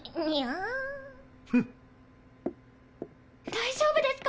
大丈夫ですか？